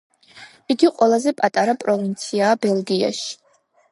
იგი ყველაზე პატარა პროვინციაა ბელგიაში.